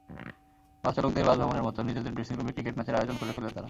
বাসচালকদের bus ভ্রমণের মতোই নিজেদের ড্রেসিংরুমে ক্রিকেট ম্যাচের আয়োজন করে ফেললেন তাঁরা।